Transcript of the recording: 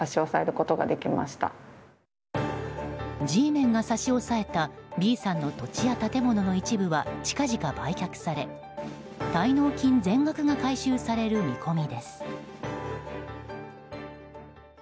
Ｇメンが差し押さえたＢさんの土地や建物の一部は近々売却され、滞納金全額が回収される見込みです。